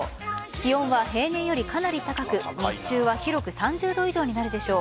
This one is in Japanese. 気温は平年よりかなり高く日中は広く３０度以上になるでしょう。